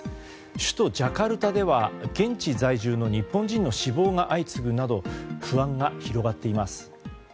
首都ジャカルタでは、現地在住の日本人の死亡が相次ぐなど不安が広がっています。